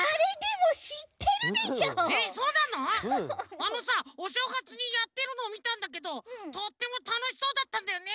あのさおしょうがつにやってるのをみたんだけどとってもたのしそうだったんだよね。